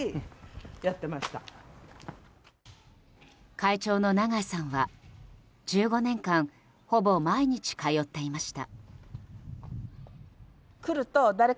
会長の永井さんは、１５年間ほぼ毎日通っていました。